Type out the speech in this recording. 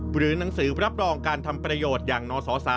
หรือหนังสือรับรองการทำประโยชน์อย่างนศ๓